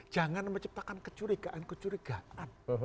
jangan menciptakan kecurigaan kecurigaan